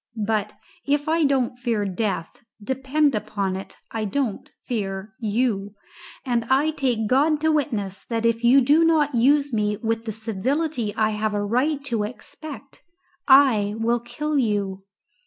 But if I don't fear death, depend upon it, I don't fear you and I take God to witness that if you do not use me with the civility I have a right to expect, I will kill you."